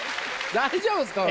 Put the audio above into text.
大丈夫ですか？